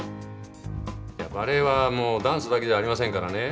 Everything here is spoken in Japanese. バレエはダンスだけじゃありませんからね